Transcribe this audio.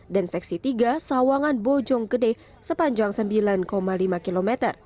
dan seksi tiga sawangan bojong gede sepanjang sembilan lima km